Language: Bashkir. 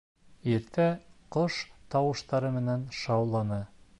Иртә ҡош тауыштары менән шауланы.